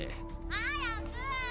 早く！